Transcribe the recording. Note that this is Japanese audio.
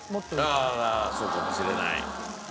そうかもしれない。